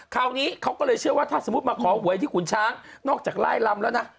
คราวนี้เขาก็เลยเชื่อว่าถ้าสมมุติมาขอหวยที่ขุนช้างนอกจากไล่ลำแล้วนะ